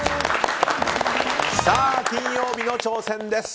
さあ、金曜日の挑戦です。